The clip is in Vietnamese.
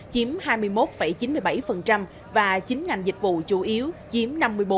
chiếm hai mươi một chín mươi bảy và chín ngành dịch vụ chủ yếu chiếm năm mươi bốn bảy mươi bảy